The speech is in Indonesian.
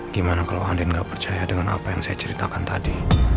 gimana kalau anda nggak percaya dengan apa yang saya ceritakan tadi